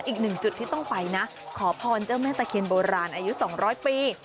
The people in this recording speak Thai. อีกหนึ่งจุดที่ต้องไปนะขอพรเจ้าแม่ตะเคียนโบราณอายุ๒๐๐ปี